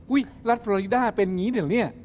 อุ้ยรัฐโฟรีดาเป็นอย่างงี้เดี๋ยวเนี่ย